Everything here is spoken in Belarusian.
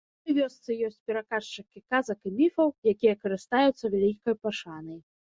У кожнай вёсцы ёсць пераказчыкі казак і міфаў, якія карыстаюцца вялікай пашанай.